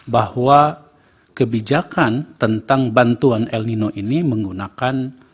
bahwa kebijakan tentang bantuan el nino ini menggunakan